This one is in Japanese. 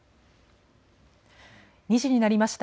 ２時になりました。